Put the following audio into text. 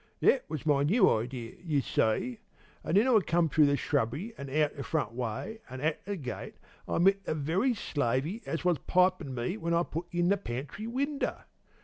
That was my new idea, you see. Then I come through the shrubbery an' out the front way, an' at the gate I met the very slavey as was pipin' me while I put in the pantry winder!